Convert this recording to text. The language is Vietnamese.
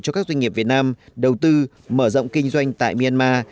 cho các doanh nghiệp việt nam đầu tư mở rộng kinh doanh tại myanmar